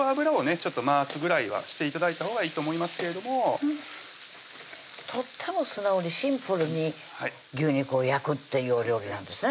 ちょっと回すぐらいはして頂いたほうがいいと思いますけれどもとっても素直にシンプルに牛肉を焼くっていうお料理なんですね